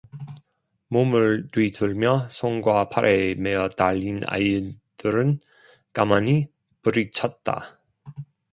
몸을 뒤틀며 손과 팔에 매어달린 아이들은 가만히 뿌리쳤다.